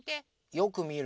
よくみるの。